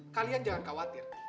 kalian jangan khawatir